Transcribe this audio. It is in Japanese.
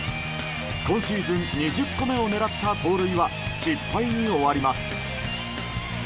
今シーズン２０個目を狙った盗塁は失敗に終わります。